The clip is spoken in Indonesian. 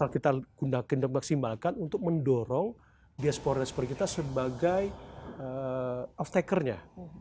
kita kundakin dan maksimalkan untuk mendorong diaspora seperti kita sebagai of takernya